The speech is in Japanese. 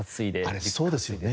あれそうですよね？